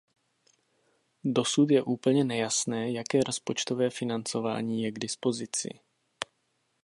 Dosud je úplně nejasné, jaké rozpočtové financování je k dispozici.